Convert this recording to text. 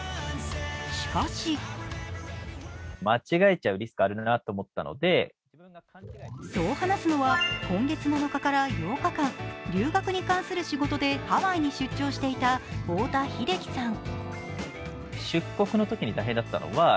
しかしそう話すのは今月７日から８日間、留学に関する仕事でハワイに出張していた太田英基さん。